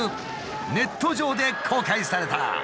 ネット上で公開された。